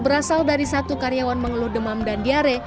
berasal dari satu karyawan mengeluh demam dan diare